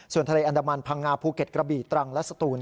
ส่วนทะเลอันดามันพังงาภูเก็ตกระบี่ตรังและสตูน